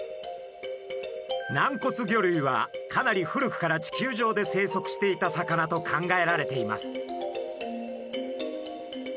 軟骨魚類はかなり古くから地球上で生息していた魚と考えられています。